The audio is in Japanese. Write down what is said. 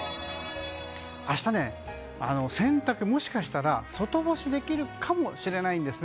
明日、洗濯もしかしたら外干しできるかもしれないんです。